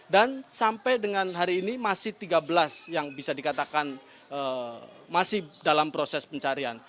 dan sampai dengan hari ini masih tiga belas yang bisa dikatakan masih dalam proses pencarian